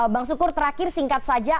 bang sukur terakhir singkat saja